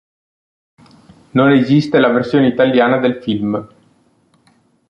Non esiste la versione italiana del film.